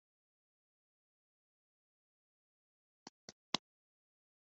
kumvira itegeko ry imana